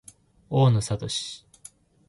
大野智